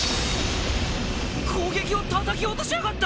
攻撃をたたき落としやがった！